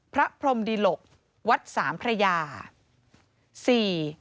พระพรมดิหลกวัดสามพระยาสี่